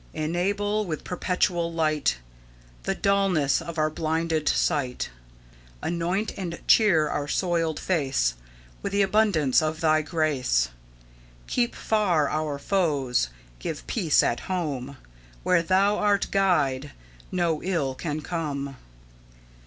"Enable with perpetual light The dulness of our blinded sight; Anoint and cheer our soiled face With the abundance of Thy grace; Keep far our foes; give peace at home; Where Thou art Guide, no ill can come."